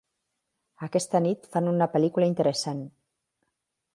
Aquesta nit fan una pel·lícula interessant.